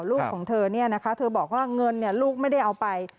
ลูกของเธอเนี่ยนะคะเธอบอกว่าเงินลูกไม่ได้เอาไป